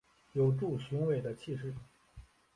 有著雄伟的气势